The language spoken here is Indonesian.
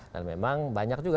dan memang banyak juga